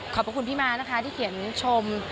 ขอบคุณพี่ม้านะคะที่เขียนชม